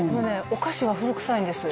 お菓子は古くさいんです